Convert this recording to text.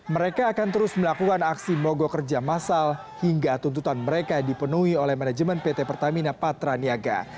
mereka akan terus melakukan aksi mogok kerja masal hingga tuntutan mereka dipenuhi oleh manajemen pt pertamina patraniaga